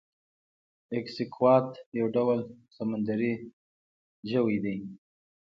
ایکسکوات یو ډول سمندری ژوی دی